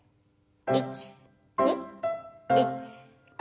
１２１２。